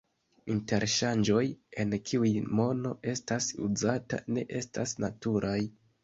Interŝanĝoj, en kiuj mono estas uzata, ne estas naturaj.